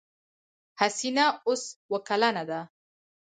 حسينه اوس اوه کلنه ده.